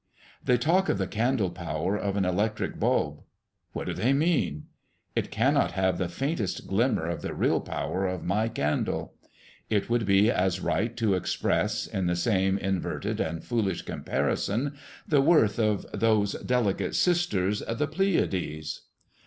They talk of the candle power of an electric bulb. What do they mean? It cannot have the faintest glimmer of the real power of my candle. It would be as right to express, in the same inverted and foolish comparison, the worth of "those delicate sisters, the Pleiades."